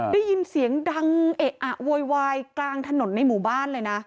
ได้ยินเสียงดังเอะอะโวยวายกลางถนนในหมู่บ้านเลยนะ